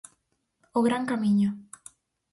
O Gran Camiño.